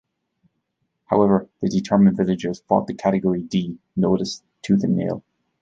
However the determined villagers fought the Category "D" notice tooth and nail.